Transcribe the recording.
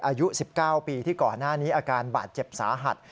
อายุ๑๙ปีที่ก่อนหน้านี้อาการบาดเจ็บสาหัส